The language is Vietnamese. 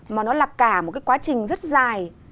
mà nó là cả một cái quá trình rất dài